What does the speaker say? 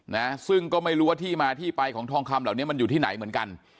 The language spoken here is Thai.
นะซึ่งก็ไม่รู้ว่าที่มาที่ไปของทองคำเหล่านี้มันอยู่ที่ไหนเหมือนกัน